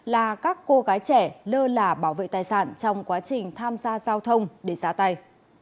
là các cô gái trẻ lơ lả bảo vệ tài sản trong quá trình tham gia giao thông để xá tay